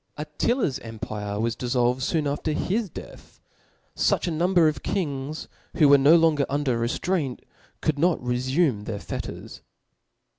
Attila's empire was diflbl ved foon after his death ; fuch a number pf kings, who were no longer under rcftrainr, could not refume their fetters.